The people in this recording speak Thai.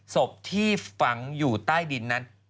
ศพที่ฝังอยู่ใต้ดินนั้น